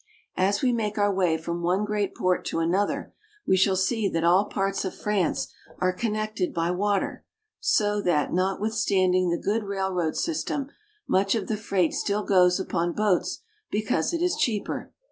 As we make our way from one great port to another, we shall see that all parts of France are connected by water, so that, notwithstanding the good railroad system, much of the freight still goes upon boats because it is cheaper.